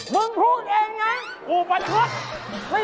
มึงพูดเองไง